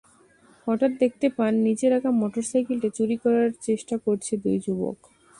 হঠাৎ দেখতে পান, নিচে রাখা মোটরসাইকেলটি চুরি করার চেষ্টা করছে দুই যুবক।